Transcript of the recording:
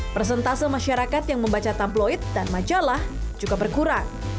persentase masyarakat yang membaca tabloid dan majalah juga berkurang